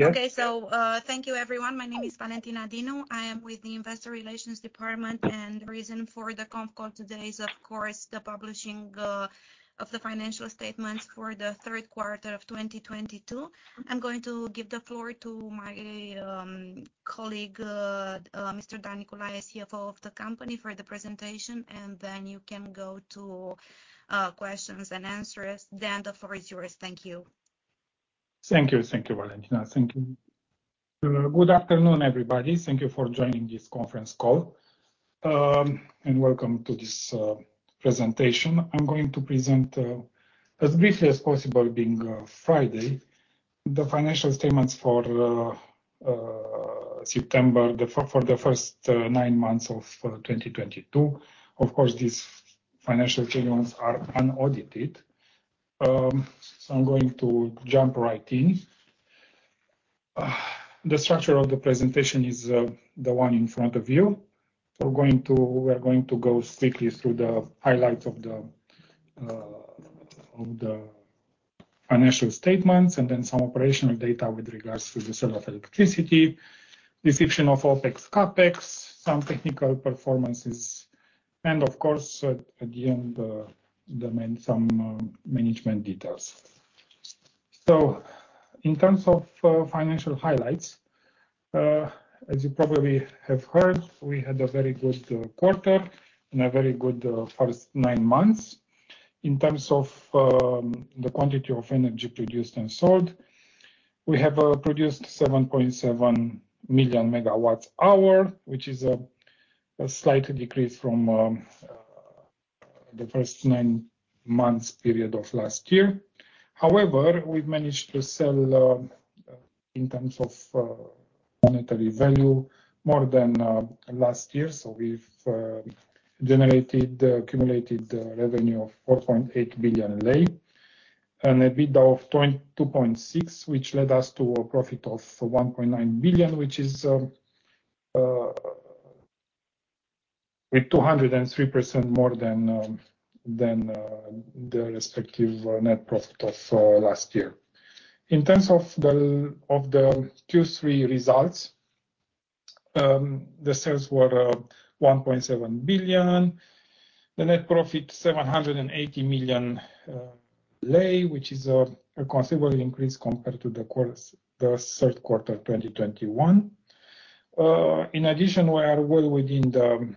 Okay. Thank you everyone. My name is Valentina Dinu. I am with the investor relations department, and the reason for the conf call today is, of course, the publishing of the financial statements for the third quarter of 2022. I'm going to give the floor to my colleague, Mr. Dan Niculaie-Faranga, CFO of the company, for the presentation, and then you can go to questions and answers. Dan, the floor is yours. Thank you. Thank you. Thank you, Valentina. Thank you. Good afternoon, everybody. Thank you for joining this conference call, and welcome to this presentation. I'm going to present as briefly as possible, being Friday, the financial statements for September, for the first nine months of 2022. Of course, these financial statements are unaudited. So I'm going to jump right in. The structure of the presentation is the one in front of you. We're going to go strictly through the highlights of the financial statements and then some operational data with regards to the sale of electricity, description of OpEx, CapEx, some technical performances, and of course, at the end, some management details. In terms of financial highlights, as you probably have heard, we had a very good quarter and a very good first nine months. In terms of the quantity of energy produced and sold, we have produced 7.7 million megawatt hours, which is a slight decrease from the first nine months period of last year. However, we've managed to sell, in terms of monetary value, more than last year. We've generated accumulated revenue of RON 4.8 billion and EBITDA of RON 22.6, which led us to a profit of RON 1.9 billion, which is 203% more than the respective net profit of last year. In terms of the Q3 results, the sales were RON 1.7 billion, the net profit RON 780 million lei, which is a considerable increase compared to the third quarter of 2021. In addition, we are well within the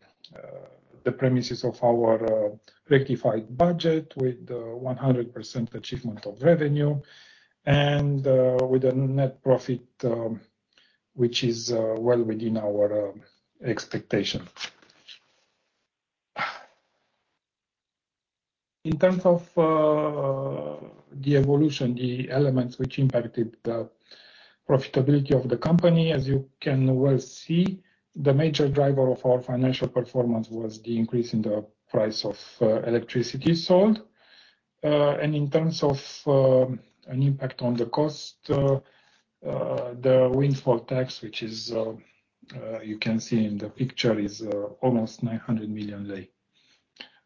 premises of our rectified budget with a 100% achievement of revenue and with a net profit which is well within our expectation. In terms of the evolution, the elements which impacted the profitability of the company, as you can well see, the major driver of our financial performance was the increase in the price of electricity sold. In terms of an impact on the cost, the windfall tax, which you can see in the picture, is almost RON 900 million.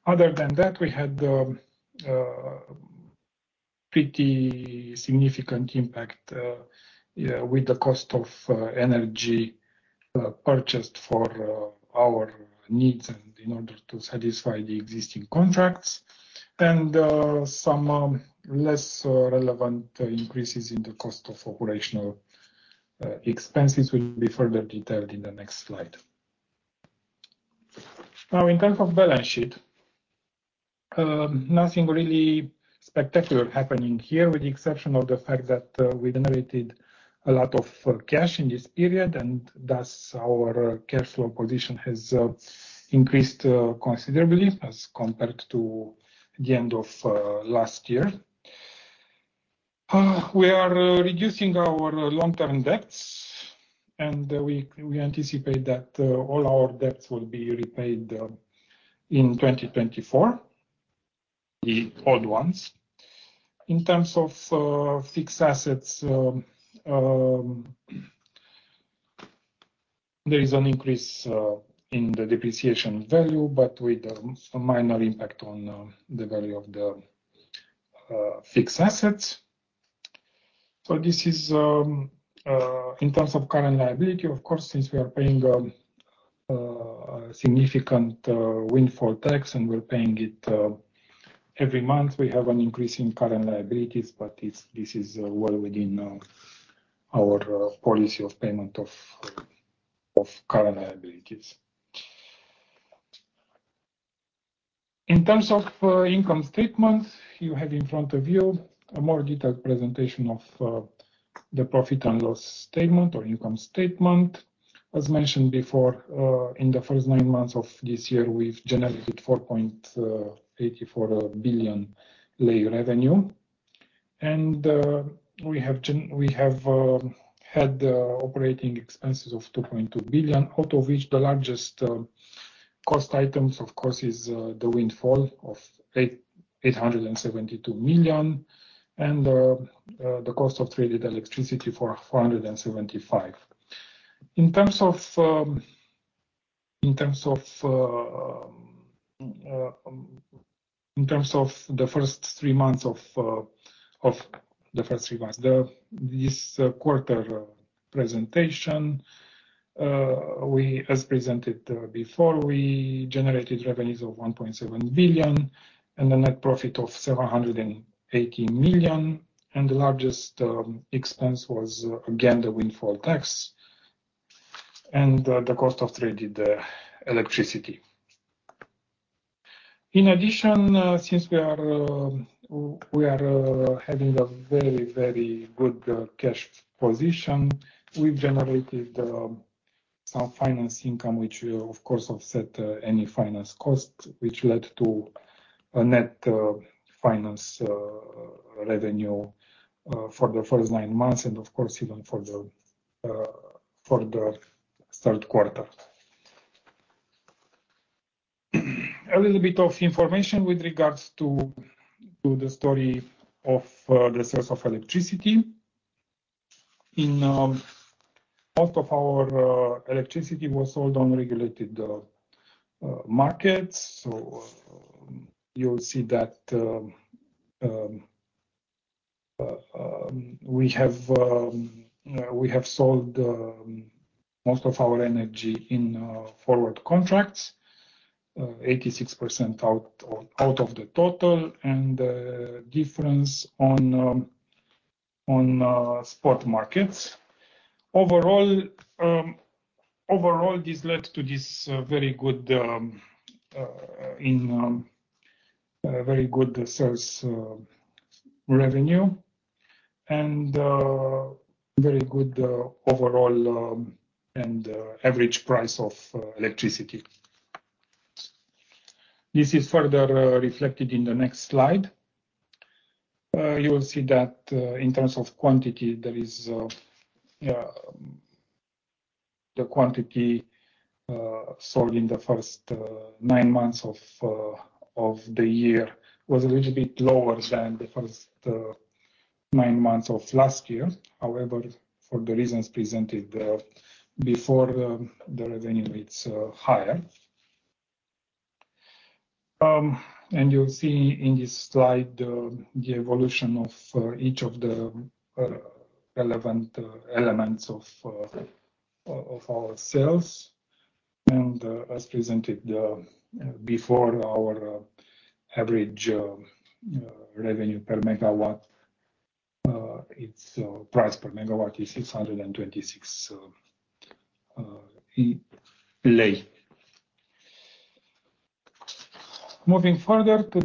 Other than that, we had pretty significant impact with the cost of energy purchased for our needs and in order to satisfy the existing contracts. Some less relevant increases in the cost of operating expenses will be further detailed in the next slide. Now in terms of balance sheet, nothing really spectacular happening here, with the exception of the fact that we generated a lot of cash in this period, and thus our cash flow position has increased considerably as compared to the end of last year. We are reducing our long-term debts, and we anticipate that all our debts will be repaid in 2024, the old ones. In terms of fixed assets, there is an increase in the depreciation value, but with a minor impact on the value of the fixed assets. This is in terms of current liability, of course, since we are paying significant windfall tax and we're paying it every month, we have an increase in current liabilities, but this is well within our policy of payment of current liabilities. In terms of income statement, you have in front of you a more detailed presentation of the profit and loss statement or income statement. As mentioned before, in the first nine months of this year, we've generated RON 4.84 billion revenue. We have had the operating expenses of RON 2.2 billion, out of which the largest cost items, of course, is the windfall tax of RON 872 million and the cost of traded electricity of RON 475 million. In terms of the first three months, this quarter presentation, as presented before, we generated revenues of RON 1.7 billion and a net profit of RON 780 million, and the largest expense was again, the windfall tax and the cost of traded electricity. In addition, since we are having a very good cash position, we've generated some finance income, which will of course offset any finance costs, which led to a net finance revenue for the first nine months and of course, even for the third quarter. A little bit of information with regards to the story of the sales of electricity. In most of our electricity was sold on regulated markets. You'll see that we have sold most of our energy in forward contracts, 86% out of the total, and the difference on spot markets. Overall, this led to very good sales revenue and very good overall average price of electricity. This is further reflected in the next slide. You will see that in terms of quantity, the quantity sold in the first nine months of the year was a little bit lower than the first nine months of last year. However, for the reasons presented before, the revenue it's higher. You'll see in this slide the evolution of each of the relevant elements of our sales. As presented before our average revenue per megawatt, its price per megawatt is RON 626. Moving further to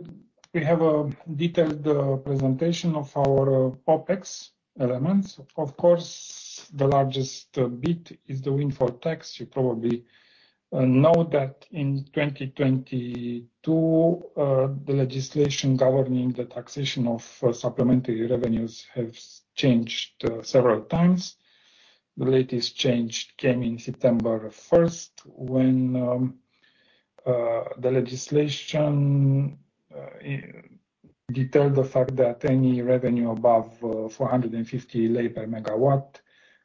we have a detailed presentation of our OpEx elements. Of course, the largest bit is the windfall tax. You probably know that in 2022, the legislation governing the taxation of supplementary revenues have changed several times. The latest change came in September first when the legislation detailed the fact that any revenue above RON 450 per megawatt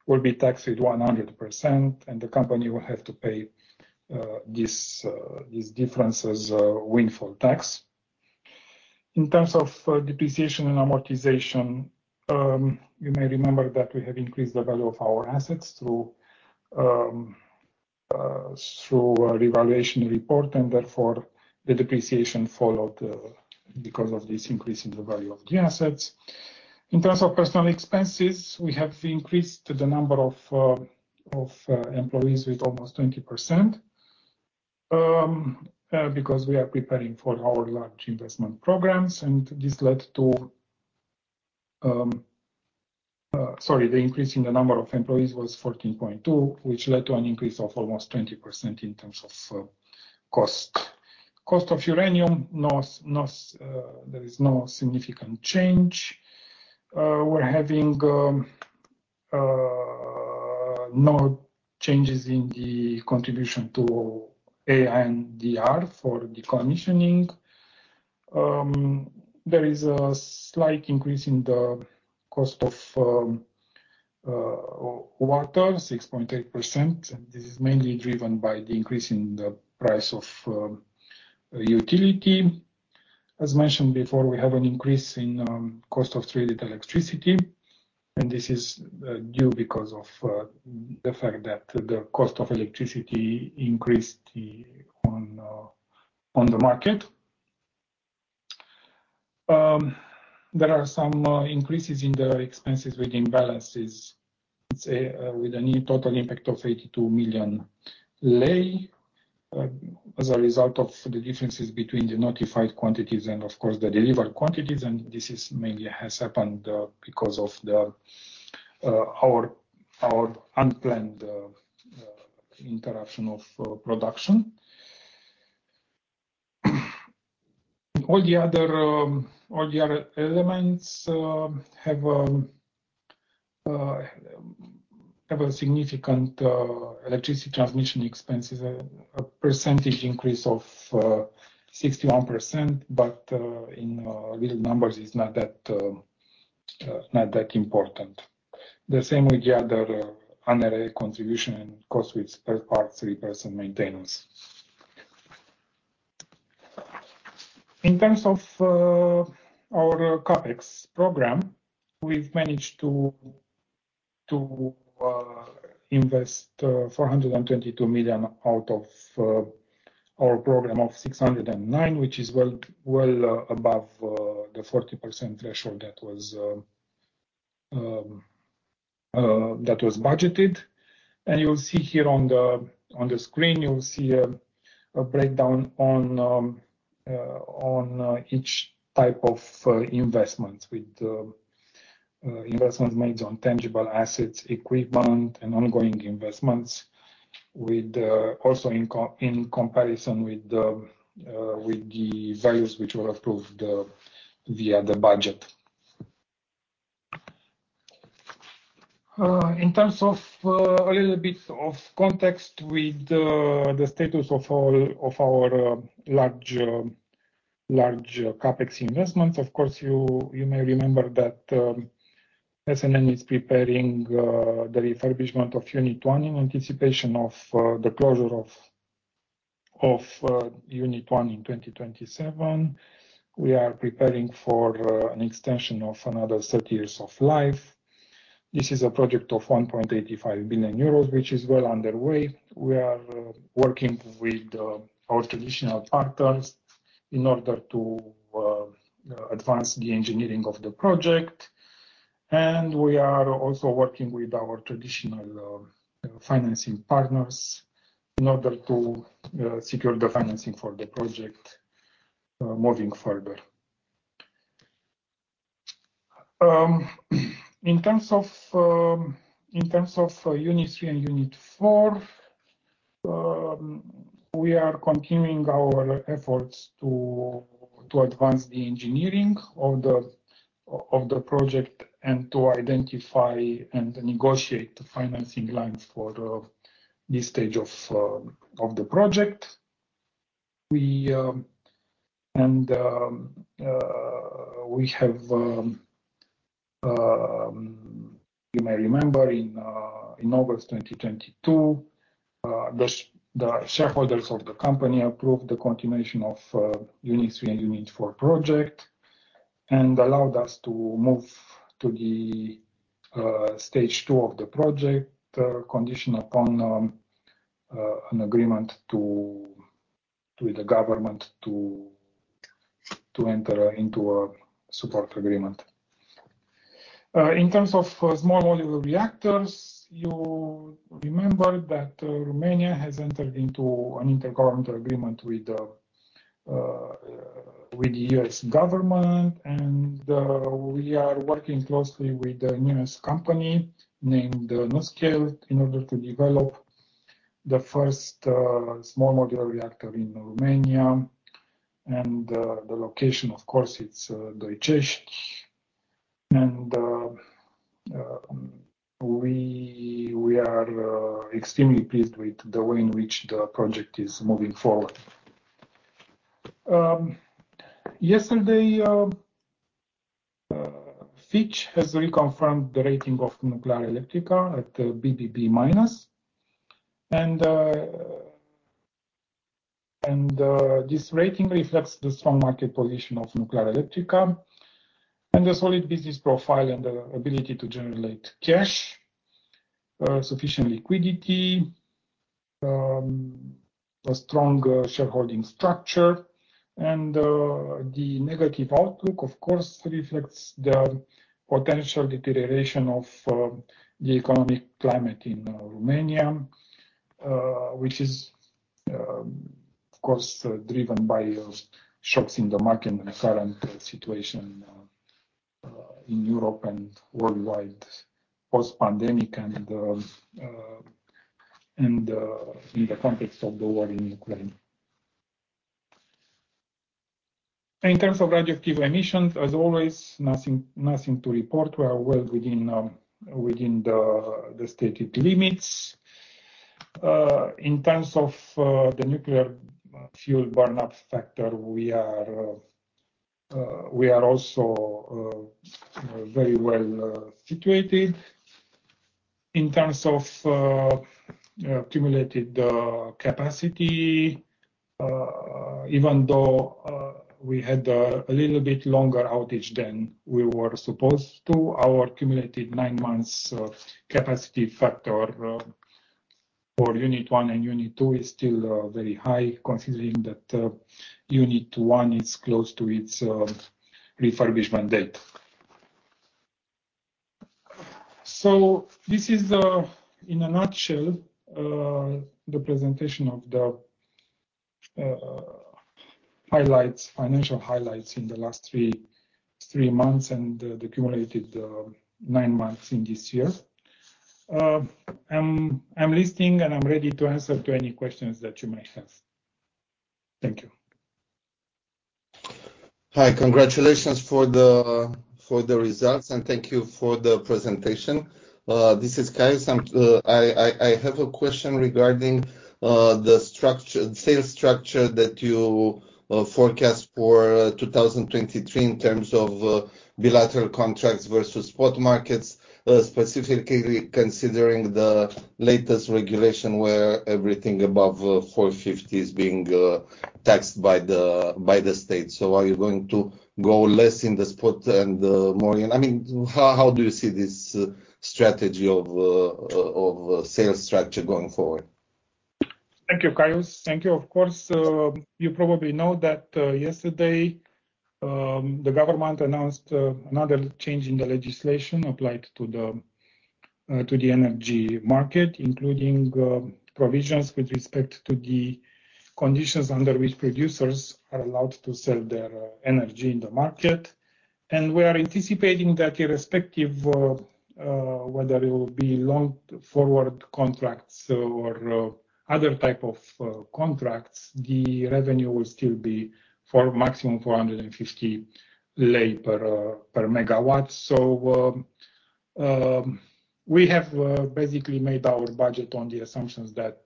will be taxed 100%, and the company will have to pay these differences, windfall tax. In terms of depreciation and amortization, you may remember that we have increased the value of our assets through a revaluation report, and therefore the depreciation followed because of this increase in the value of the assets. In terms of personnel expenses, we have increased the number of employees because we are preparing for our large investment programs. The increase in the number of employees was 14.2%, which led to an increase of almost 20% in terms of cost. Cost of uranium, there is no significant change. We're having no changes in the contribution to ANDR for decommissioning. There is a slight increase in the cost of water, 6.8%, and this is mainly driven by the increase in the price of utility. As mentioned before, we have an increase in cost of traded electricity, and this is due because of the fact that the cost of electricity increased on the market. There are some increases in the expenses with imbalances, let's say, with a new total impact of RON 82 million lei, as a result of the differences between the notified quantities and of course the delivered quantities, and this is mainly has happened because of our unplanned interruption of production. All the other elements have a significant electricity transmission expenses, a percentage increase of 61%, but in real numbers it's not that important. The same with the other NRA contribution costs with third-party personnel maintenance. In terms of our CapEx program, we've managed to invest RON 422 million out of our program of RON 609 million, which is well above the 40% threshold that was budgeted. You'll see here on the screen a breakdown on each type of investment. With the investments made on tangible assets, equipment, and ongoing investments. Also in comparison with the values which were approved via the budget. In terms of a little bit of context with the status of all of our large CapEx investments, of course you may remember that SNN is preparing the refurbishment of Unit 1 in anticipation of the closure of Unit 1 in 2027. We are preparing for an extension of another 30 years of life. This is a project of 1.85 billion euros, which is well underway. We are working with our traditional partners in order to advance the engineering of the project. We are also working with our traditional financing partners in order to secure the financing for the project moving further. In terms of Unit 3 and Unit 4, we are continuing our efforts to advance the engineering of the project and to identify and negotiate the financing lines for this stage of the project. You may remember in August 2022, the shareholders of the company approved the continuation of the Unit 3 and Unit 4 project, and allowed us to move to stage two of the project, conditional upon an agreement with the government to enter into a support agreement. In terms of small modular reactors, you remember that Romania has entered into an intergovernmental agreement with the U.S. government. We are working closely with the U.S. company named NuScale in order to develop the first small modular reactor in Romania. The location of course is Doicești. We are extremely pleased with the way in which the project is moving forward. Yesterday Fitch has reconfirmed the rating of Nuclearelectrica at BBB-. This rating reflects the strong market position of Nuclearelectrica and the solid business profile and the ability to generate cash sufficient liquidity, a strong shareholding structure. The negative outlook, of course, reflects the potential deterioration of the economic climate in Romania, which is, of course, driven by those shocks in the market and the current situation in Europe and worldwide post-pandemic and in the context of the war in Ukraine. In terms of radioactive emissions, as always, nothing to report. We are well within the stated limits. In terms of the nuclear fuel burn-up factor, we are also very well situated. In terms of accumulated capacity, even though we had a little bit longer outage than we were supposed to, our accumulated nine months capacity factor for Unit 1 and Unit 2 is still very high, considering that Unit 1 is close to its refurbishment date. This is in a nutshell the presentation of the highlights, financial highlights in the last three months and the cumulative nine months in this year. I'm listening, and I'm ready to answer to any questions that you may have. Thank you. Hi, congratulations for the results, and thank you for the presentation. This is Caius. I have a question regarding the structure, sales structure that you forecast for 2023 in terms of bilateral contracts versus spot markets, specifically considering the latest regulation where everything above 450 is being taxed by the state. Are you going to go less in the spot and more? I mean, how do you see this strategy of sales structure going forward? Thank you, Caius. Thank you. Of course, you probably know that yesterday the government announced another change in the legislation applied to the energy market, including provisions with respect to the conditions under which producers are allowed to sell their energy in the market. We are anticipating that irrespective of whether it will be long forward contracts or other type of contracts, the revenue will still be for maximum RON 450 per megawatt. We have basically made our budget on the assumptions that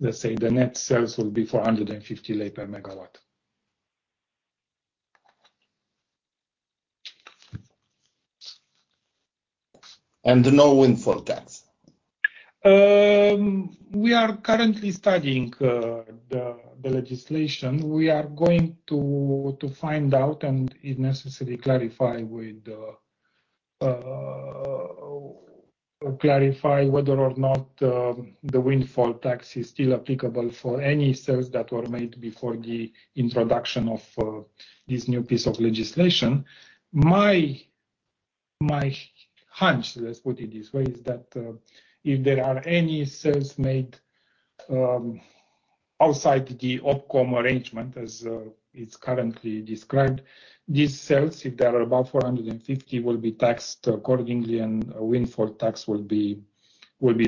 let's say the net sales will be RON 450 per megawatt. And with no windfall tax? We are currently studying the legislation. We are going to find out and if necessary clarify whether or not the windfall tax is still applicable for any sales that were made before the introduction of this new piece of legislation. My hunch, let's put it this way, is that if there are any sales made outside the OPCOM arrangement as it's currently described, these sales, if they are above RON 450, will be taxed accordingly, and a windfall tax will be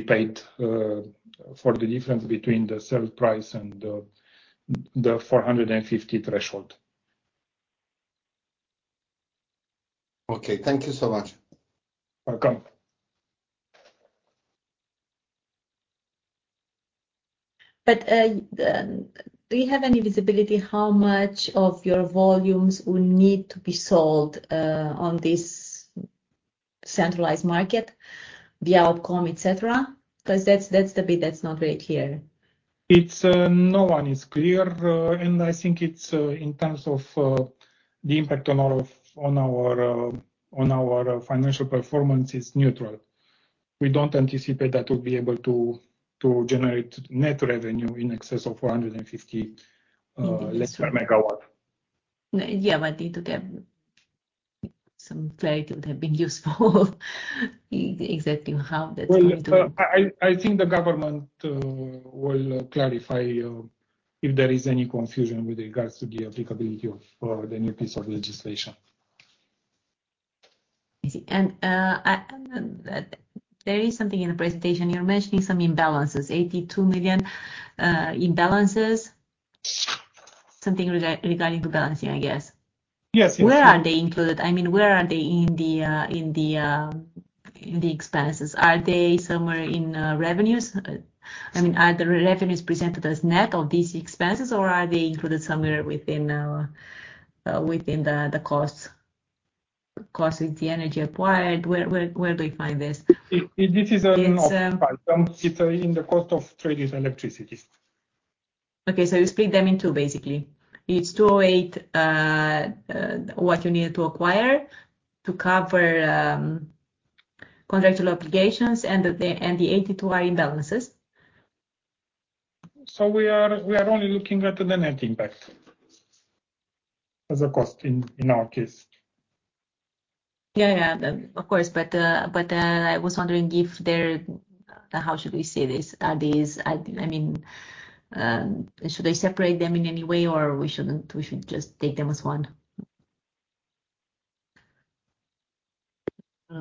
paid for the difference between the sale price and the RON 450 threshold. Okay. Thank you so much. Welcome. Do you have any visibility how much of your volumes will need to be sold on this centralized market via OPCOM, et cetera? 'Cause that's the bit that's not read here. It's not clear, and I think it's in terms of the impact on our financial performance is neutral. We don't anticipate that we'll be able to generate net revenue in excess of RON 450 per megawatt. Yeah. To get some clarity would have been useful exactly how that's going to Well, I think the government will clarify if there is any confusion with regards to the applicability of the new piece of legislation. I see. There is something in the presentation. You're mentioning some imbalances, RON 82 million, imbalances. Something regarding to balancing, I guess. Yes. Yes. Where are they included? I mean, where are they in the expenses? Are they somewhere in revenues? I mean, are the revenues presented as net of these expenses, or are they included somewhere within the costs with the energy acquired? Where do we find this? This is. It's in the cost of traded electricity. Okay. You split them in two, basically. It's what you need to acquire to cover contractual obligations and the 82 are imbalances. We are only looking at the net impact as a cost in our case. Yeah. Of course. I was wondering how should we say this? I mean, should I separate them in any way or we shouldn't, we should just take them as one?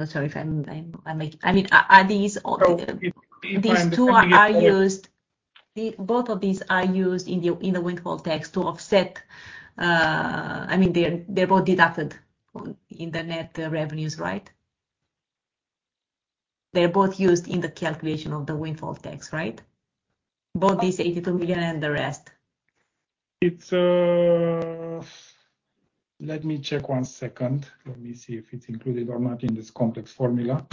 Sorry if I'm making. I mean, are these? If I understand your question. Both of these are used in the windfall tax to offset. I mean, they're both deducted in the net revenues, right? They're both used in the calculation of the windfall tax, right? Both this RON 82 million and the rest. Let me check one second. Let me see if it's included or not in this complex formula.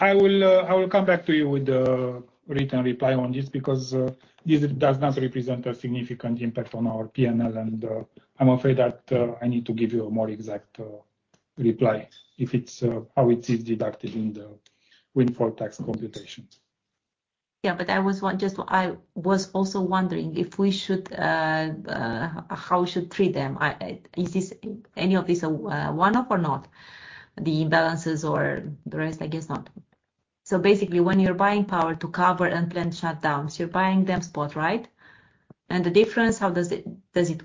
I will come back to you with a written reply on this because this does not represent a significant impact on our P&L, and I'm afraid that I need to give you a more exact reply if it's how it is deducted in the windfall tax computations. I was just wondering how we should treat them. Is any of this one-off or not, the imbalances or the rest? I guess not. Basically when you're buying power to cover plant shutdowns, you're buying them spot, right? The difference, how does it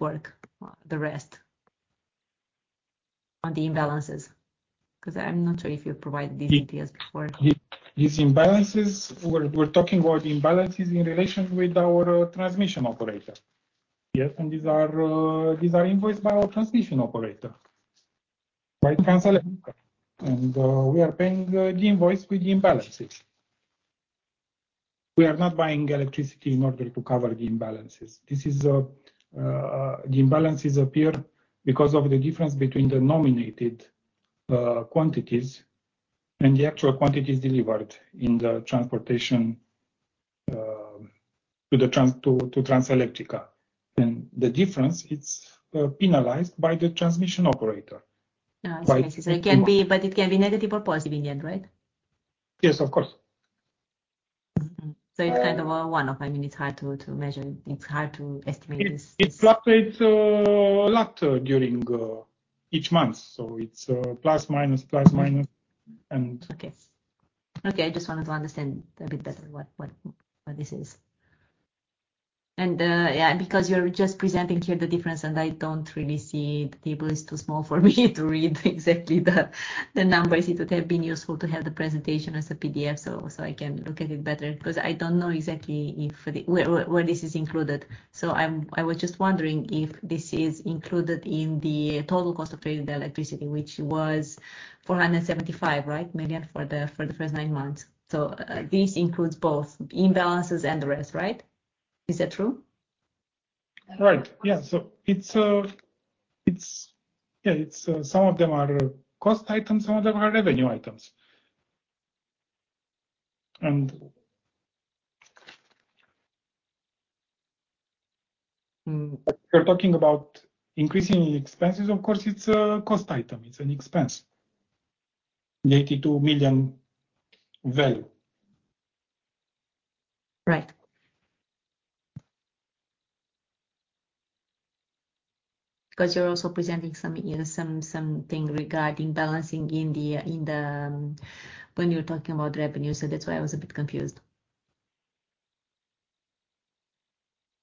work, the cost on the imbalances? Because I'm not sure if you provided these details before. These imbalances, we're talking about the imbalances in relation with our transmission operator. Yes. These are invoiced by our transmission operator, by Transelectrica. We are paying the invoice with the imbalances. We are not buying electricity in order to cover the imbalances. The imbalances appear because of the difference between the nominated quantities and the actual quantities delivered in the transportation to Transelectrica. The difference, it's enalized by the transmission operator. I see. By- It can be. It can be negative or positive in the end, right? Yes, of course. It's kind of a one-off. I mean, it's hard to measure. It's hard to estimate this. It fluctuates a lot during each month. It's plus, minus, plus, minus. Okay And Okay, I just wanted to understand a bit better what this is. Yeah, because you're just presenting here the difference, and I don't really see. The table is too small for me to read exactly the numbers. It would have been useful to have the presentation as a PDF so I can look at it better. Because I don't know exactly if the where this is included. I was just wondering if this is included in the total cost of traded electricity, which was RON 475 million for the first nine months. This includes both imbalances and the rest, right? Is that true? Right. Yeah. It's some of them are cost items, some of them are revenue items. You're talking about increasing expenses, of course it's a cost item. It's an expense. The RON 82 million value. Right. Because you're also presenting some, you know, something regarding balancing in the. When you're talking about revenue, so that's why I was a bit confused.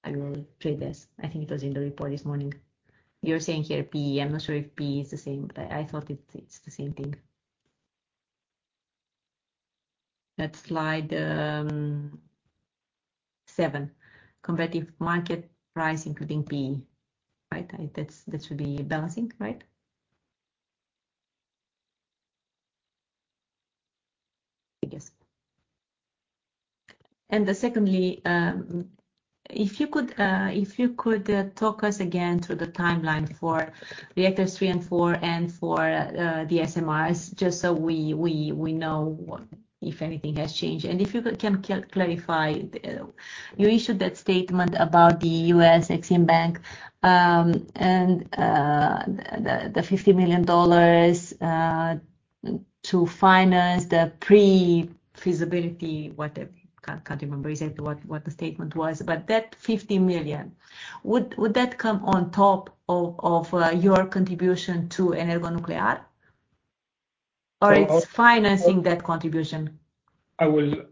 I will read this. I think it was in the report this morning. You're saying here PE. I'm not sure if PE is the same, but I thought it's the same thing. That slide seven, competitive market price including PE, right? That's that should be balancing, right? I guess. Secondly, if you could talk us again through the timeline for reactors 3 and 4 and for the SMRs, just so we know if anything has changed. If you can clarify, you issued that statement about the U.S. EXIM Bank and the $50 million to finance the pre-feasibility, whatever. Can't remember exactly what the statement was. That $50 million, would that come on top of your contribution to EnergoNuclear? Or it's financing that contribution? I will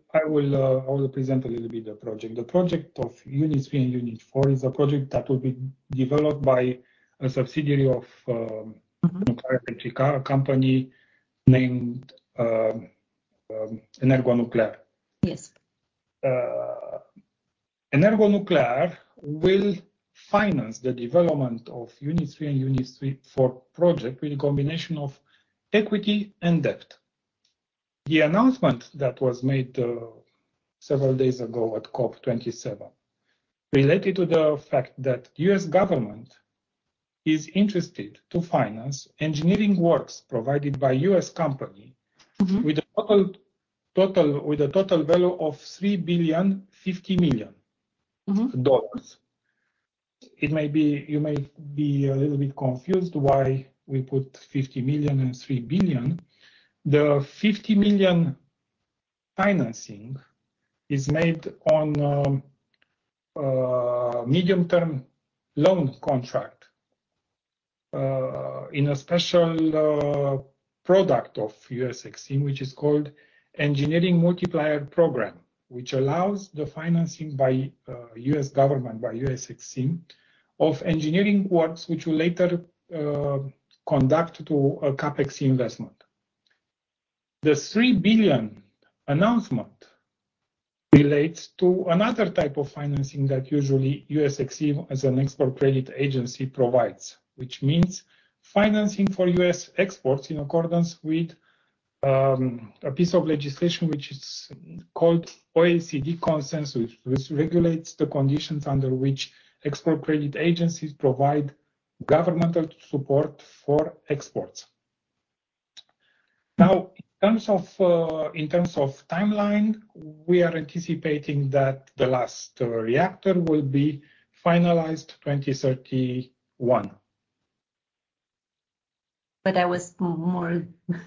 present a little bit the project. The project of Unit 3 and Unit 4 is a project that will be developed by a subsidiary of Nuclearelectrica, a company named EnergoNuclear. Yes. EnergoNuclear, will finance the development of Unit 3 and Unit 3 to 4 project with a combination of equity and debt. The announcement that was made several days ago at COP27 related to the fact that U.S. government is interested to finance engineering works provided by U.S. company with a total value of $3,050,000,000. You may be a little bit confused why we put $50 million and $3 billion. The $50 million financing is made on a medium-term loan contract in a special product of U.S. EXIM, which is called Engineering Multiplier Program, which allows the financing by U.S. government, by U.S. EXIM, of engineering works which will later conduct to a CapEx investment. The $3 billion announcement relates to another type of financing that usually U.S. EXIM as an export credit agency provides, which means financing for U.S. exports in accordance with a piece of legislation which is called OECD Consensus, which regulates the conditions under which export credit agencies provide governmental support for exports. Now, in terms of timeline, we are anticipating that the last reactor will be finalized 2031. I was more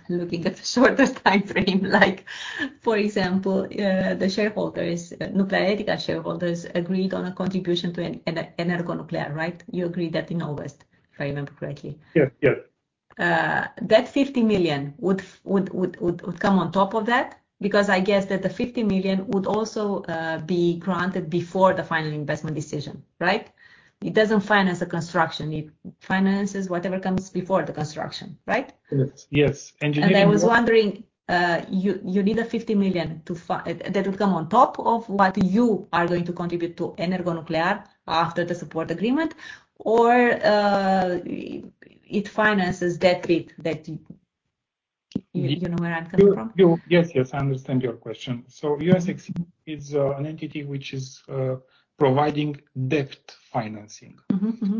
looking at the shorter timeframe. Like for example, the shareholders, Nuclearelectrica shareholders agreed on a contribution to EnergoNuclear, right? You agreed that in August, if I remember correctly. Yes. Yes. That $50 million would come on top of that? Because I guess that the $50 million would also be granted before the final investment decision, right? It doesn't finance the construction. It finances whatever comes before the construction, right? Yes. Yes. I was wondering, you need a $50 million. That would come on top of what you are going to contribute to Nuclearelectrica after the support agreement, or, it finances that bit that you. You know where I'm coming from? Yes, I understand your question. U.S. EXIM is an entity which is providing debt financing.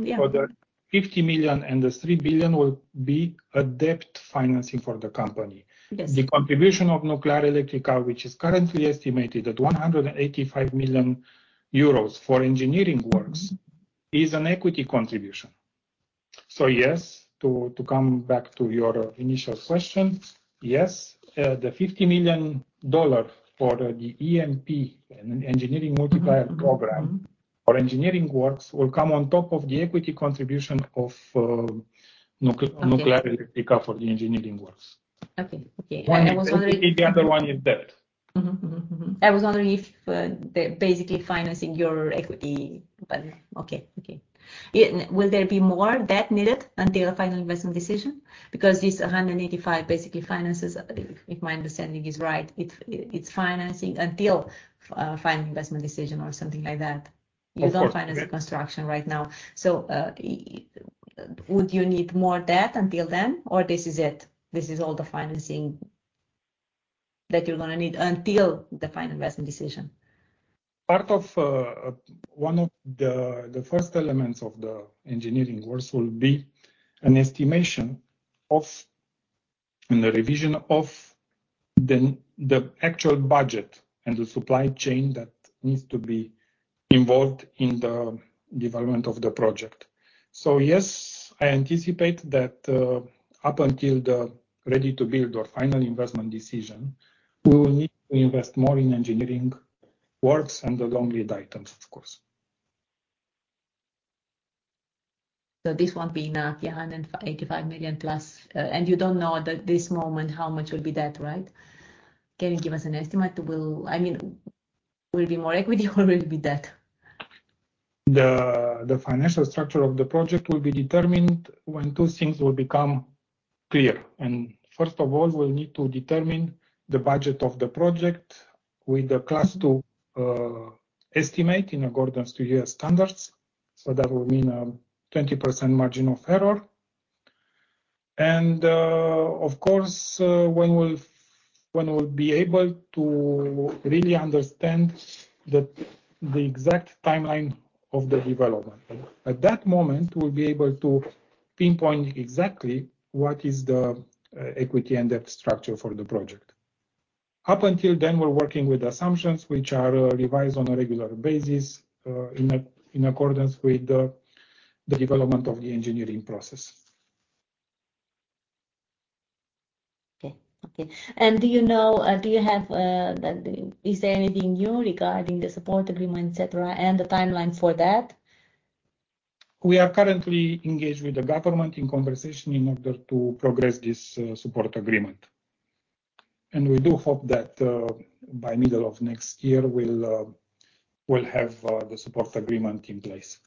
Yeah. For the $50 million and the $3 billion will be a debt financing for the company. Yes. The contribution of Nuclearelectrica, which is currently estimated at 185 million euros for engineering works, is an equity contribution. Yes, to come back to your initial question. Yes, the $50 million for the EMP, Engineering Multiplier Program or engineering works will come on top of the equity contribution of Nuclearelectrica for the engineering works. Okay. I was wondering. The other one is debt. I was wondering if they're basically financing your equity, but okay. Okay. Will there be more debt needed until a final investment decision? Because this 185 million basically finances, if my understanding is right, it's financing until final investment decision or something like that. Of course. Yeah. You don't finance the construction right now. Would you need more debt until then, or this is it? This is all the financing that you're gonna need until the final investment decision. Part of one of the first elements of the engineering works will be an estimation of and a revision of the actual budget and the supply chain that needs to be involved in the development of the project. Yes, I anticipate that up until the ready to build or final investment decision, we will need to invest more in engineering works and the long lead items, of course. This won't be enough. Yeah, 185 million plus. You don't know at this moment how much will be debt, right? Can you give us an estimate? I mean, will it be more equity or will it be debt? The financial structure of the project will be determined when two things will become clear. First of all, we'll need to determine the budget of the project with the Class 2 estimate in accordance with U.S. standards. That would mean 20% margin of error. Of course, when we'll be able to really understand the exact timeline of the development. At that moment, we'll be able to pinpoint exactly what is the equity and debt structure for the project. Up until then, we're working with assumptions which are revised on a regular basis in accordance with the development of the engineering process. Is there anything new regarding the support agreement, et cetera, and the timeline for that? We are currently engaged with the government in conversation in order to progress this support agreement. We do hope that by middle of next year, we'll have the support agreement in place.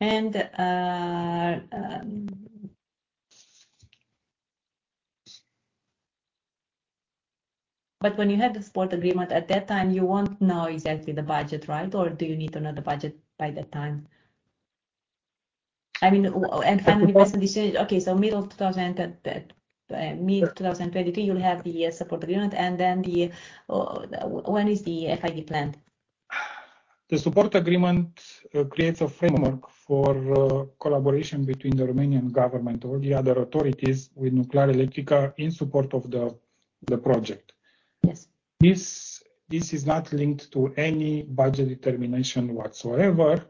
When you have the support agreement, at that time, you won't know exactly the budget, right? Or do you need to know the budget by that time? I mean, and final investment decision. Okay. Mid-2023, you'll have the support agreement and then when is the FID planned? The support agreement creates a framework for collaboration between the Romanian government or the other authorities with Nuclearelectrica in support of the project. Yes. This is not linked to any budget determination whatsoever.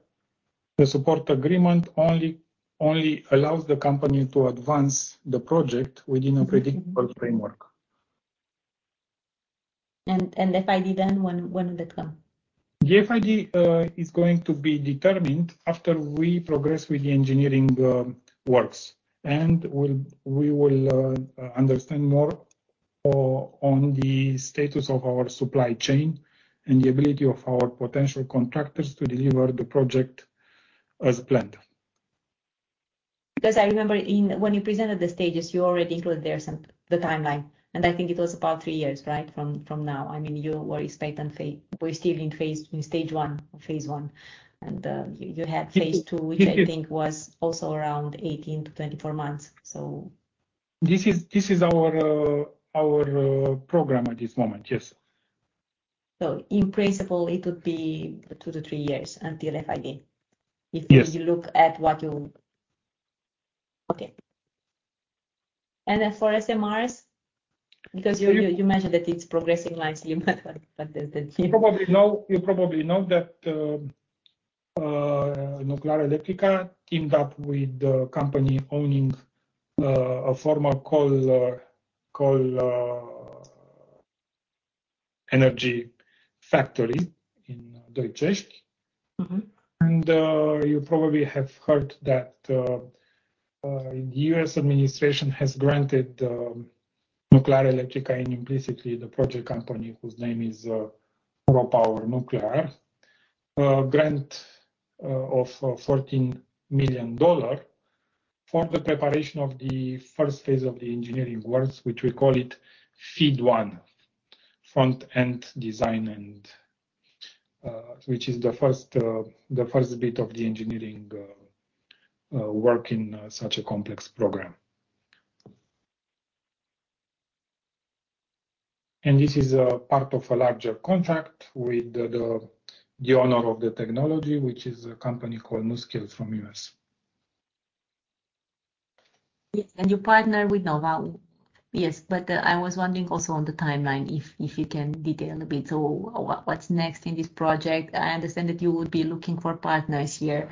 The support agreement only allows the company to advance the project within a predictable framework. FID then, when would that come? The FID is going to be determined after we progress with the engineering works. We will understand more on the status of our supply chain and the ability of our potential contractors to deliver the project as planned. Because I remember when you presented the stages, you already included there the timeline, and I think it was about three years, right? From now. I mean, you were expecting. We're still in stage 1 or phase I. You had phase II. Yes. Yes Which I think was also around 18 to 24 months. This is our program at this moment. Yes. In principle, it would be two to three years until FID. Yes. For SMRs, because you mentioned that it's progressing nicely, but that... You probably know that Nuclearelectrica teamed up with a company owning a former coal energy factory in Doicești. You probably have heard that the U.S. administration has granted Nuclearelectrica and implicitly the project company, whose name is RoPower Nuclear, a grant of $14 million for the preparation of the first phase of the engineering works, which we call it FEED One, Front-End Design and which is the first bit of the engineering work in such a complex program. This is a part of a larger contract with the owner of the technology, which is a company called NuScale from the U.S. Yes. You partner with Nova. Yes. I was wondering also on the timeline, if you can detail a bit. What's next in this project? I understand that you will be looking for partners here,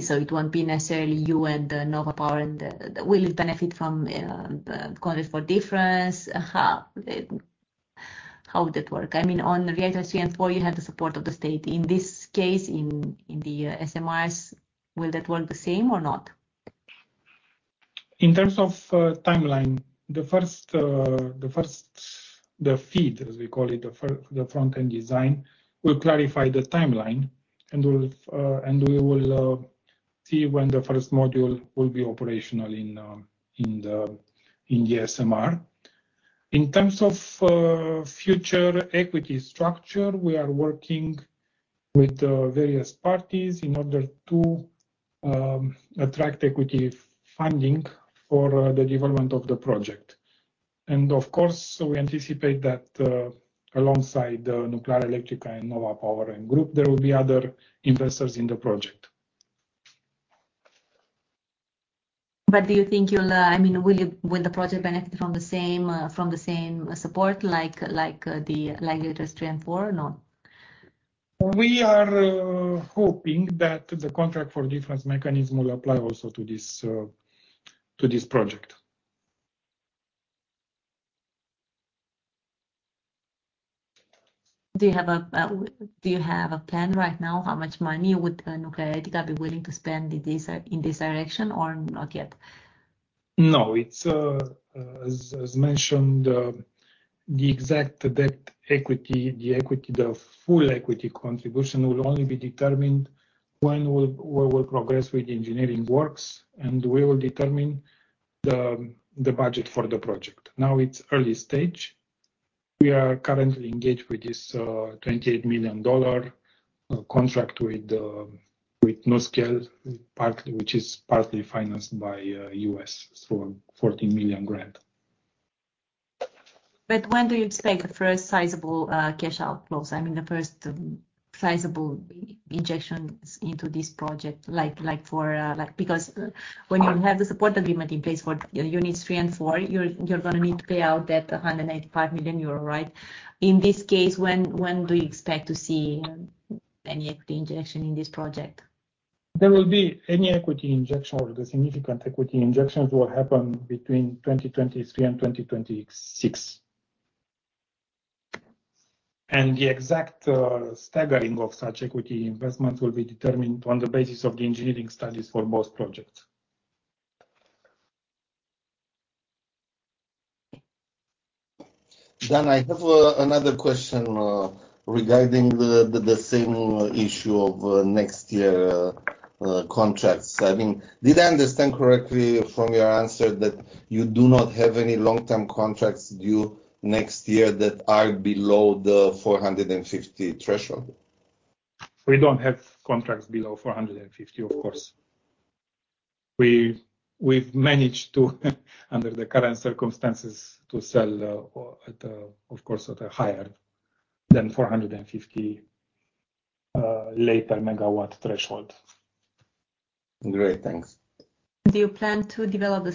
so it won't be necessarily you and Nova Power and will it benefit from the contract for difference? How would that work? I mean, on reactors 3 and 4, you have the support of the state. In this case, in the SMRs, will that work the same or not? In terms of timeline, the first FEED, as we call it, the Front-End Design, will clarify the timeline, and we will see when the first module will be operational in the SMR. In terms of future equity structure, we are working with various parties in order to attract equity funding for the development of the project. Of course, we anticipate that, alongside Nuclearelectrica and Nova Power & Gas, there will be other investors in the project. Do you think you'll, I mean, will the project benefit from the same support like reactors 3 and 4` or not? We are hoping that the contract for difference mechanism will apply also to this project. Do you have a plan right now how much money would Nuclearelectrica be willing to spend in this direction or not yet? No. It's as mentioned, the exact debt equity, the full equity contribution will only be determined when we will progress with engineering works, and we will determine the budget for the project. Now it's early stage. We are currently engaged with this $28 million contract with NuScale, partly which is partly financed by U.S. for $40 million grant. When do you expect the first sizable cash outflows? I mean, the first sizable injections into this project. Because when you have the support agreement in place for Units 3 and 4, you're gonna need to pay out that 185 million euro, right? In this case, when do you expect to see any equity injection in this project? There will be an equity injection or the significant equity injections will happen between 2023 and 2026. The exact staggering of such equity investment will be determined on the basis of the engineering studies for both projects. Dan, I have another question regarding the same issue of next year contracts. I mean, did I understand correctly from your answer that you do not have any long-term contracts due next year that are below the 450 threshold? We don't have contracts below RON 450, of course. We've managed, under the current circumstances, to sell, of course, at a higher than RON 450 per megawatt threshold. Great. Thanks. Do you plan to develop the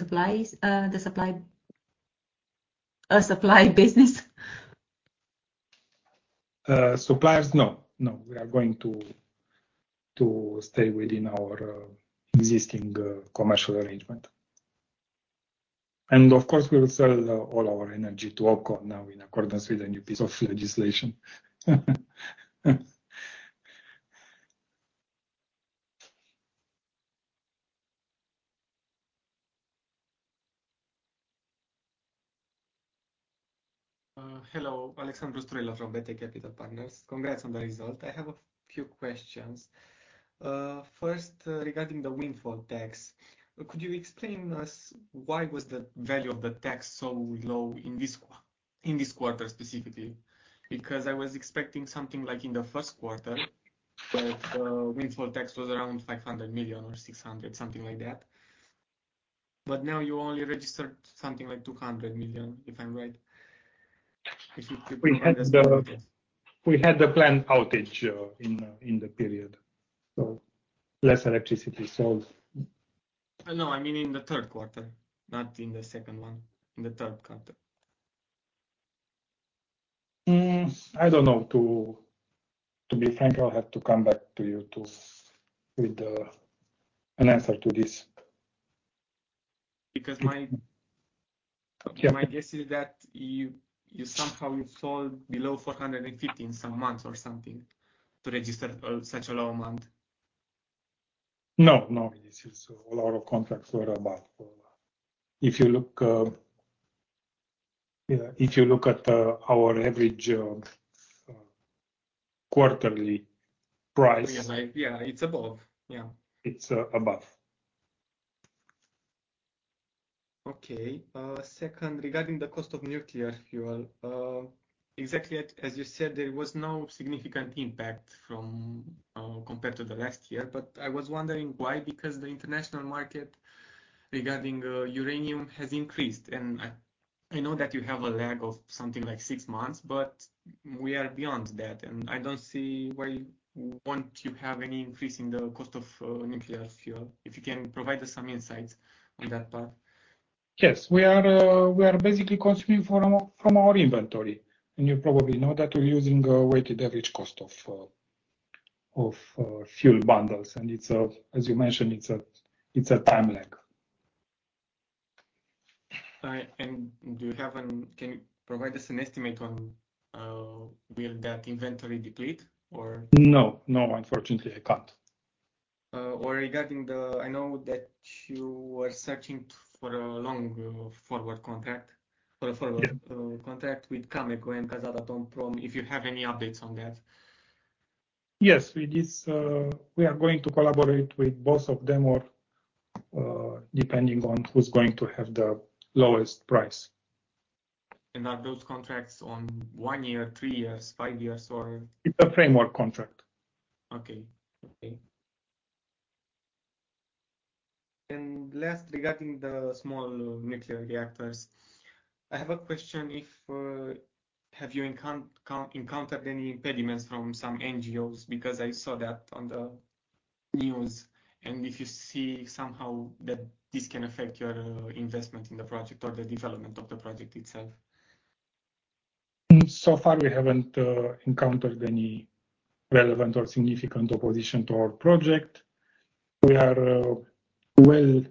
supply business? Supplies? No. We are going to stay within our existing commercial arrangement. Of course, we will sell all our energy to OPCOM now in accordance with the new piece of legislation. Hello. Alexandru Stroilă from BT Capital Partners. Congrats on the result. I have a few questions. First, regarding the windfall tax, could you explain us why was the value of the tax so low in this quarter specifically? Because I was expecting something like in the first quarter, where the windfall tax was around RON 500 million or RON 600 million, something like that. But now you only registered something like RON 200 million, if I'm right. If you... We had the planned outage in the period, so less electricity sold. No, I mean in the third quarter, not in the second one. In the third quarter. I don't know. To be frank, I'll have to come back to you with an answer to this. Because my... Okay. My guess is that you somehow installed below 450 in some months or something to register such a low amount. No, no. This is a lot of contracts were about. If you look at our average quarterly price... Yeah. Yeah, it's above. Yeah. It's above. Okay. Second, regarding the cost of nuclear fuel, exactly as you said, there was no significant impact from, compared to the last year. I was wondering why, because the international market regarding uranium has increased, and I know that you have a lag of something like six months, but we are beyond that, and I don't see why won't you have any increase in the cost of nuclear fuel. If you can provide us some insights on that part. Yes. We are basically consuming from our inventory. You probably know that we're using a weighted average cost of fuel bundles. As you mentioned, it's a time lag. All right. Can you provide us an estimate on will that inventory deplete or? No, no, unfortunately, I can't. I know that you were searching for a long forward contract or a forward. Yeah. Contract with Cameco and Kazatomprom, if you have any updates on that. Yes. With this, we are going to collaborate with both of them, or, depending on who's going to have the lowest price. Are those contracts on one year, three years, five years, or? It's a framework contract. Okay. Last, regarding the small nuclear reactors, I have a question if have you encountered any impediments from some NGOs? Because I saw that on the news, and if you see somehow that this can affect your investment in the project or the development of the project itself. Far we haven't encountered any relevant or significant opposition to our project. We are well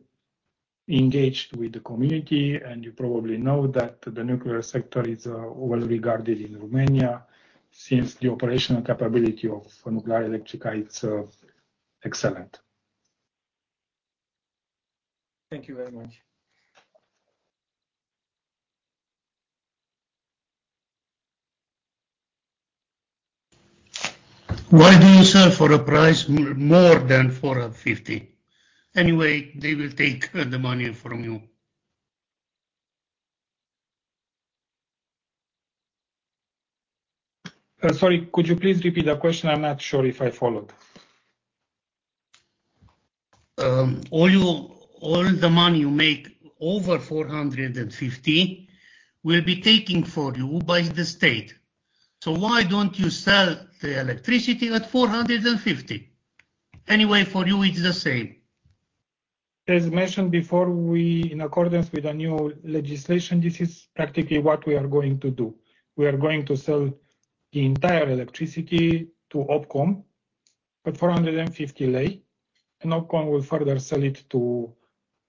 engaged with the community, and you probably know that the nuclear sector is well-regarded in Romania since the operational capability of Nuclearelectrica is excellent. Thank you very much. Why do you sell for a price more than RON 450? Anyway, they will take the money from you. Sorry, could you please repeat that question? I'm not sure if I followed. All the money you make over RON 450 will be taken from you by the state. Why don't you sell the electricity at RON 450? Anyway, for you it's the same. As mentioned before, we, in accordance with the new legislation, this is practically what we are going to do. We are going to sell the entire electricity to OPCOM at RON 450, and OPCOM will further sell it to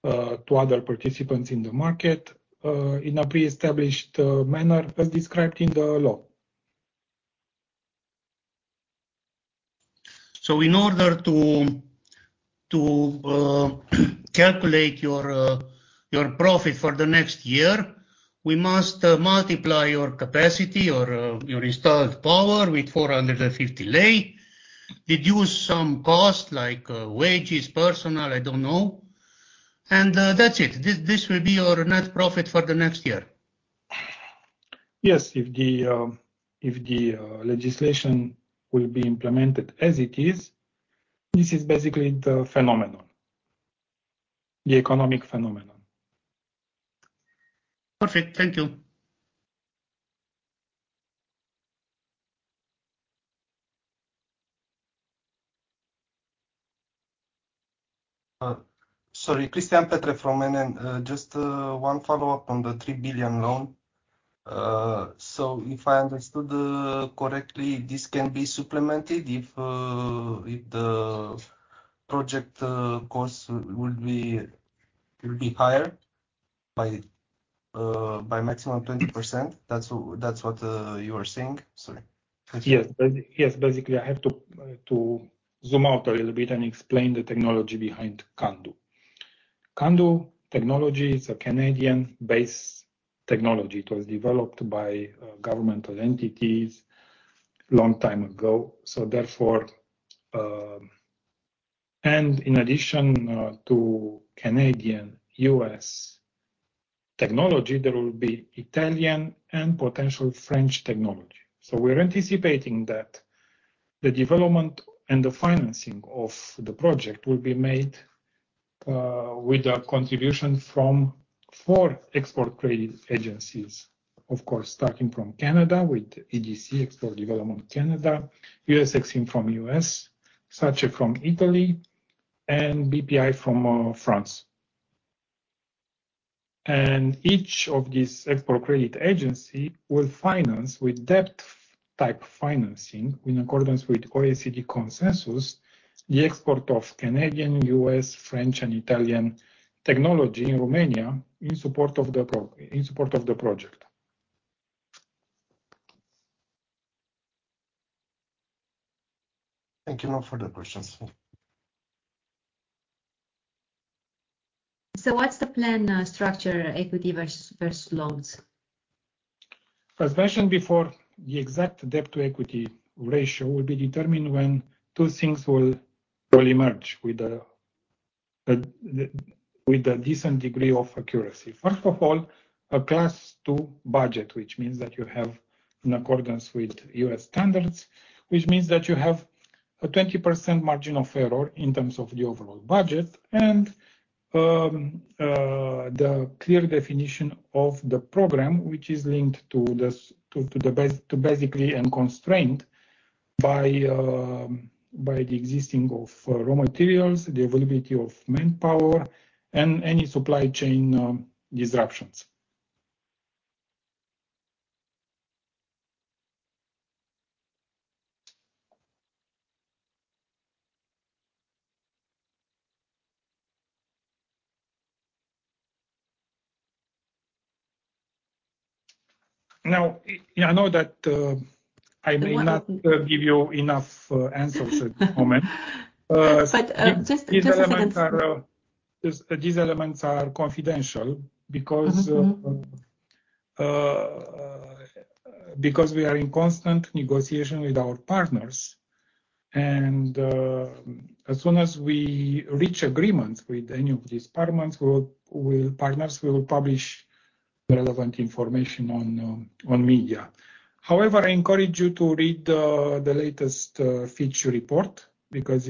other participants in the market in a pre-established manner as described in the law. In order to calculate your profit for the next year, we must multiply your capacity or your installed power with RON 450, deduce some cost like wages, personnel, I don't know, and that's it. This will be your net profit for the next year. Yes. If the legislation will be implemented as it is, this is basically the phenomenon, the economic phenomenon. Perfect. Thank you. Sorry. Cristian Petre from NN. Just one follow-up on the $3 billion loan. If I understood correctly, this can be supplemented if the project costs will be higher by maximum 20%. That's what you are saying? Sorry. Thank you. Yes. Basically, I have to zoom out a little bit and explain the technology behind CANDU. CANDU technology is a Canadian-based technology. It was developed by governmental entities long time ago. In addition to Canadian, U.S. technology, there will be Italian and potential French technology. We're anticipating that the development and the financing of the project will be made with a contribution from four export credit agencies. Of course, starting from Canada with EDC, Export Development Canada, U.S. EXIM from U.S., SACE from Italy, and Bpifrance from France. Each of these export credit agency will finance with debt-type financing in accordance with OECD Consensus, the export of Canadian, U.S., French and Italian technology in Romania in support of the project. Thank you all for the questions. What's the plan, structure equity versus loans? As mentioned before, the exact debt-to-equity ratio will be determined when two things will emerge with a decent degree of accuracy. First of all, a Class 2 budget, which means that you have in accordance with U.S. standards, which means that you have a 20% margin of error in terms of the overall budget And the clear definition of the program, which is linked to basically and constrained by the existence of raw materials, the availability of manpower and any supply chain disruptions. Now, I know that I may not give you enough answers at the moment. Just a second. These elements are confidential because. Because we are in constant negotiation with our partners. As soon as we reach agreement with any of these partners will publish relevant information on media. However, I encourage you to read the latest feature report because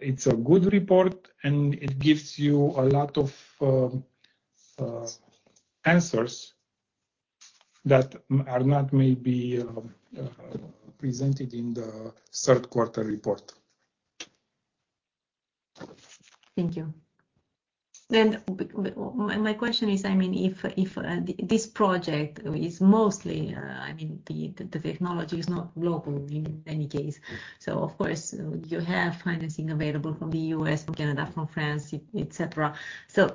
it's a good report, and it gives you a lot of answers that are not maybe presented in the third quarter report. Thank you. My question is, I mean, if this project is mostly, I mean, the technology is not local in any case. Of course you have financing available from the U.S., from Canada, from France, et cetera.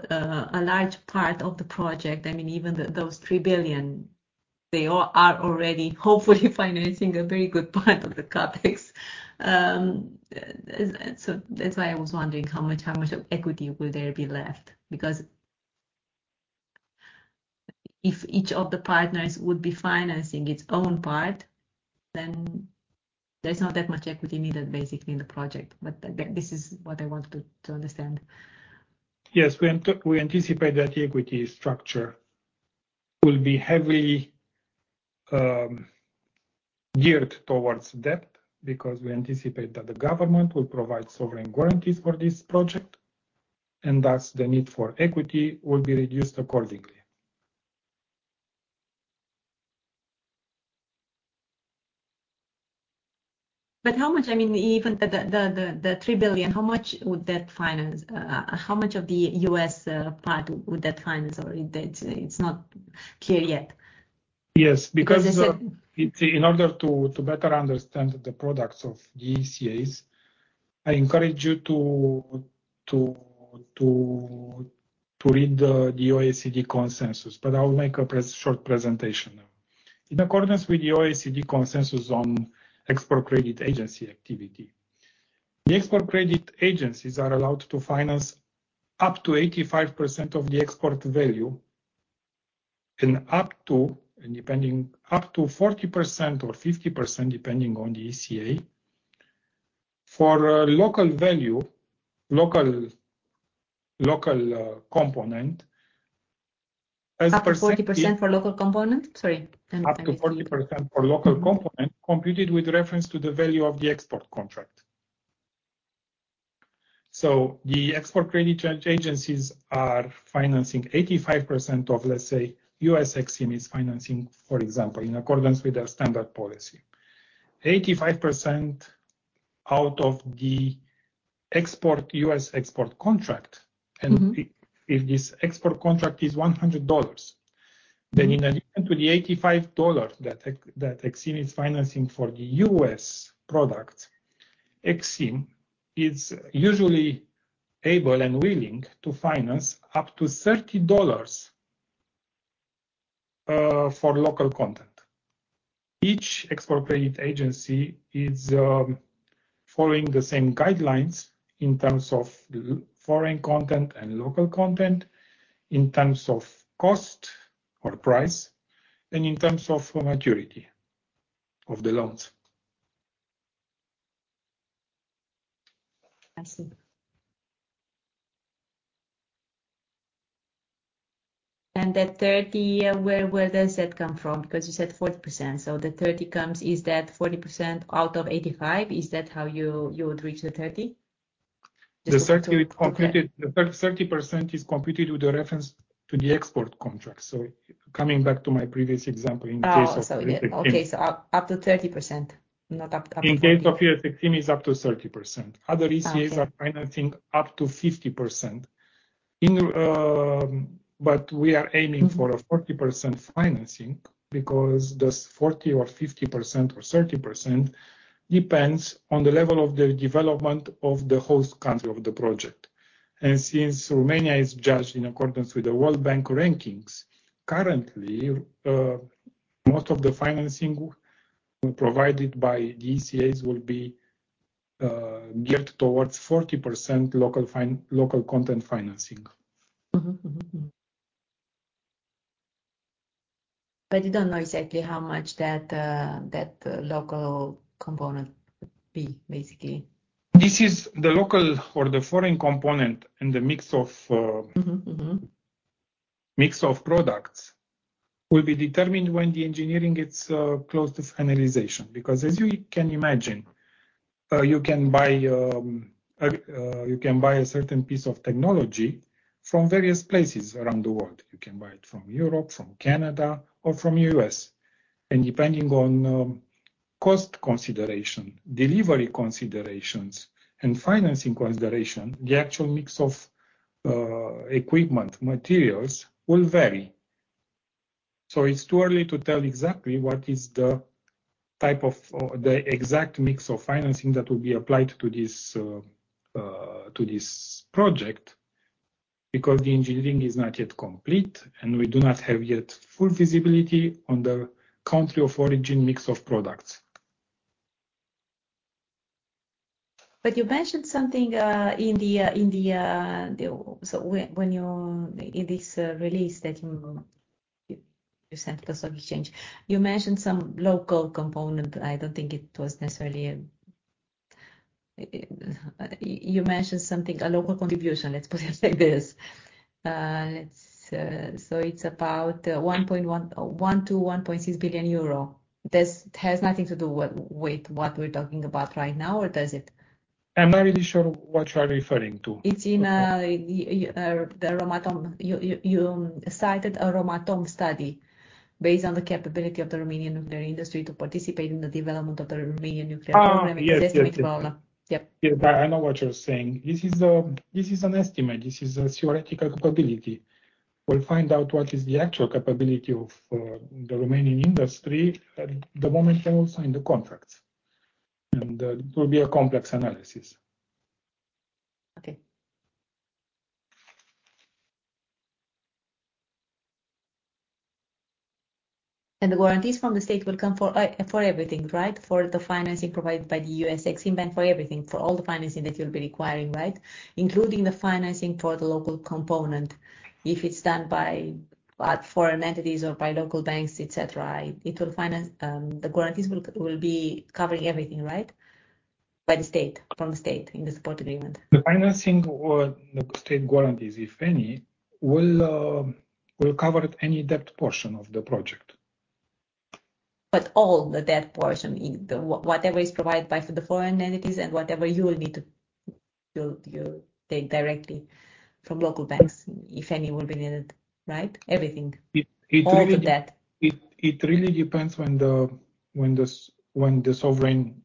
A large part of the project, I mean, even those $3 billion, they are already hopefully financing a very good part of the CapEx. That's why I was wondering how much of equity will there be left? Because if each of the partners would be financing its own part, then there's not that much equity needed basically in the project. This is what I want to understand. Yes. We anticipate that the equity structure will be heavily geared towards debt because we anticipate that the government will provide sovereign guarantees for this project, and thus the need for equity will be reduced accordingly. How much? I mean, even the $3 billion, how much would that finance? How much of the U.S. part would that finance already? That it's not clear yet. Yes. Because 'Cause I said... In order to better understand the products of ECAs, I encourage you to read the OECD Consensus, but I will make a short presentation now. In accordance with the OECD Consensus on Export Credit Agency activity, the export credit agencies are allowed to finance up to 85% of the export value and up to, and depending, up to 40% or 50%, depending on the ECA, for local value, local component as per. Up to 40% for local component? Sorry. Up to 40% for local component completed with reference to the value of the export contract. The export credit agencies are financing 85% of, let's say, U.S. EXIM is financing, for example, in accordance with their standard policy. 85% out of the export, U.S. export contract. If this export contract is $100 In addition to the $85 that EXIM is financing for the U.S. product, EXIM is usually able and willing to finance up to $30 for local content. Each export credit agency is following the same guidelines in terms of the foreign content and local content, in terms of cost or price, and in terms of maturity of the loans. I see. That $30, where does that come from? Because you said 40%. The $30 comes. Is that 40% out of $85? Is that how you would reach the $30? Just to The 30 completed. 30% is completed with a reference to the export contract. Coming back to my previous example in case of.. Up to 30%, not up to 40%. In case of U.S. EXIM is up to 30%. Okay. Other ECAs are financing up to 50%. We are aiming for a 40% financing because this 40% or 50% or 30% depends on the level of the development of the host country of the project. Since Romania is judged in accordance with the World Bank rankings, currently, most of the financing provided by ECAs will be geared towards 40% local content financing. You don't know exactly how much that local component would be, basically. This is the local or the foreign component in the mix of. Mix of products will be determined when the engineering gets close to finalization. Because as you can imagine, you can buy a certain piece of technology from various places around the world. You can buy it from Europe, from Canada, or from U.S. Depending on cost consideration, delivery considerations, and financing consideration, the actual mix of equipment, materials will vary. It's too early to tell exactly what is the type of or the exact mix of financing that will be applied to this project because the engineering is not yet complete, and we do not have yet full visibility on the country of origin mix of products. You mentioned something in this release that you sent to the stock exchange. You mentioned some local component. I don't think it was necessarily you mentioned something, a local contribution. Let's put it like this. It's about 1.1 billion, 1.2 billion, 1.6 billion euro. This has nothing to do with what we're talking about right now or does it? I'm not really sure what you are referring to. It's in the ROMATOM. You cited a ROMATOM study based on the capability of the Romanian nuclear industry to participate in the development of the Romanian nuclear program. Yes. Yeah. I know what you're saying. This is an estimate. This is a theoretical capability. We'll find out what is the actual capability of the Romanian industry at the moment we all sign the contracts, and it will be a complex analysis. Okay. The guarantees from the state will come for everything, right? For the financing provided by the U.S. EXIM Bank, for everything, for all the financing that you'll be requiring, right? Including the financing for the local component. If it's done by foreign entities or by local banks, et cetera, the guarantees will be covering everything, right? By the state, from the state in the support agreement. The financing or the state guarantees, if any, will cover any debt portion of the project. All the debt portion in the whatever is provided by the foreign entities and whatever you will need to build, you take directly from local banks, if any will be needed, right? Everything. It, it really... All of that. It really depends when the sovereign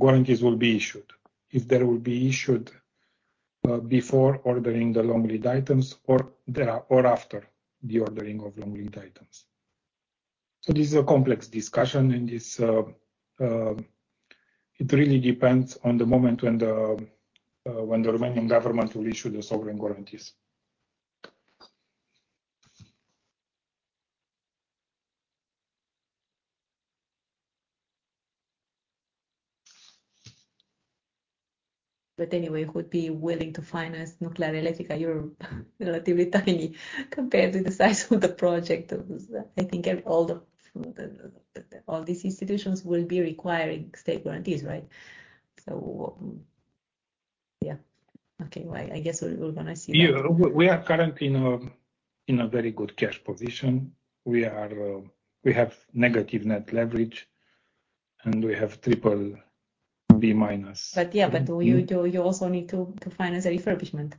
guarantees will be issued. If they will be issued before ordering the long lead items or after the ordering of long lead items. This is a complex discussion, and it really depends on the moment when the Romanian government will issue the sovereign guarantees. Anyway, who would be willing to finance Nuclearelectrica? You're relatively tiny compared to the size of the project. I think all these institutions will be requiring state guarantees, right? Yeah. Okay. Well, I guess we're gonna see. Yeah. We are currently in a very good cash position. We have negative net leverage, and we have BBB-. Yeah, you also need to finance a refurbishment.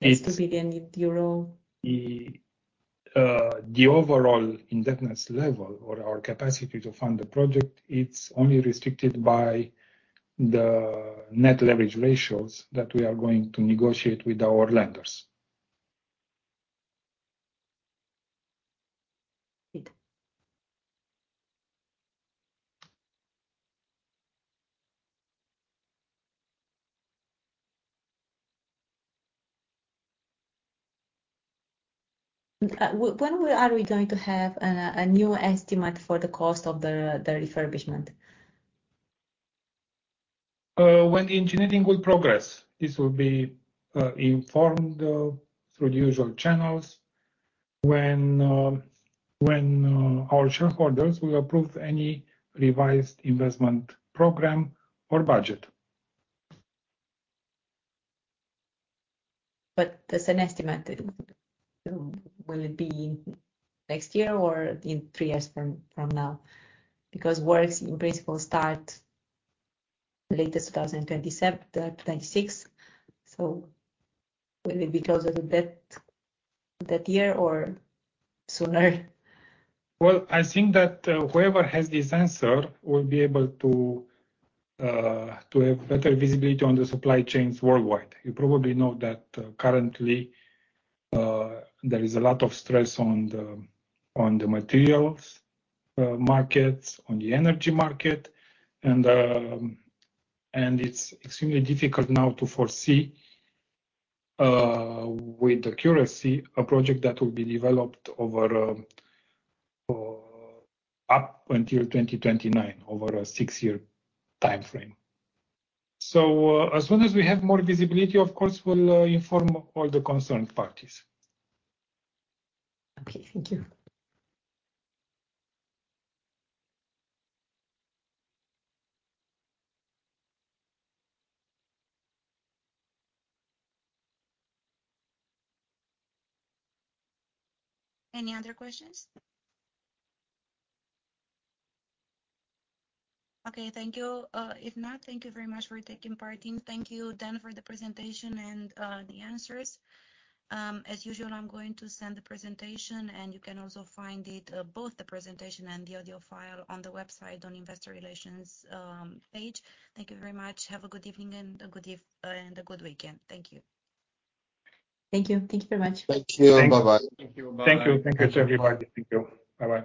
It's... That's EUR 2 billion. The overall indebtedness level or our capacity to fund the project, it's only restricted by the net leverage ratios that we are going to negotiate with our lenders. When are we going to have a new estimate for the cost of the refurbishment? When the engineering will progress. This will be informed through the usual channels when our shareholders will approve any revised investment program or budget. There's an estimate. Will it be next year or in three years from now? Because works in principle start latest 2026. Will it be closer to that year or sooner? Well, I think that whoever has this answer will be able to to have better visibility on the supply chains worldwide. You probably know that currently there is a lot of stress on the materials markets, on the energy market, and it's extremely difficult now to foresee with accuracy a project that will be developed over up until 2029, over a six-year timeframe. As soon as we have more visibility, of course, we'll inform all the concerned parties. Okay. Thank you. Any other questions? Okay. Thank you. If not, thank you very much for taking part. Thank you, Dan, for the presentation and the answers. As usual, I'm going to send the presentation, and you can also find it, both the presentation and the audio file on the website on investor relations page. Thank you very much. Have a good evening and a good weekend. Thank you. Thank you. Thank you very much. Thank you. Bye-bye. Thank you. Bye-bye. Thank you. Thank you to everybody. Thank you. Bye-bye.